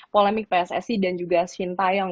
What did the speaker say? polemik pssi dan juga shin taeyong